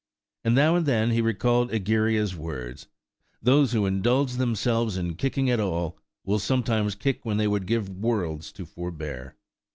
And now and then he recalled Egeria's words, "Those who indulge themselves in kicking at all, will sometimes kick when they would give worlds to forbear."